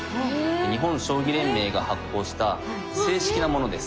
日本将棋連盟が発行した正式なものです。